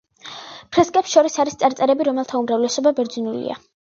ფრესკებს შორის არის წარწერები, რომელთა უმრავლესობა ბერძნულია.